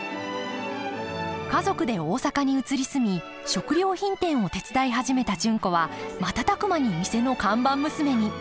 家族で大阪に移り住み食料品店を手伝い始めた純子は瞬く間に店の看板娘に。